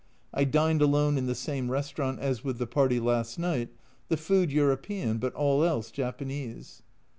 I dined alone in the same restaurant as with the party last night, the food European, but all else Japanese.